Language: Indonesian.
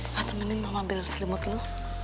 pak temenin mau ngambil selimut lo